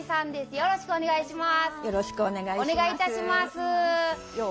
よろしくお願いします。